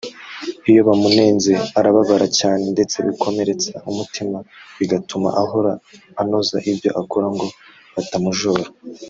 iyo bamunenze arababara cyane ndetse bikomeretsa umutima bigatuma ahora anoza ibyo akora ngo batamujora